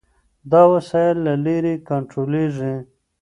دا وسایل له لرې کنټرولېږي.